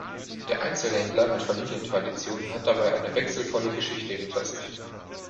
Der Einzelhändler mit Familientradition hat dabei eine wechselvolle Geschichte hinter sich.